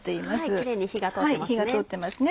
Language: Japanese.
キレイに火が通ってますね。